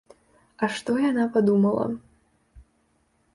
А што яна падумала?